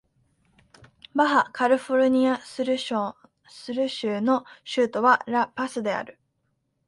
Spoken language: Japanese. バハ・カリフォルニア・スル州の州都はラ・パスである